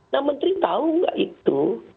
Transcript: nah menteri tahu nggak itu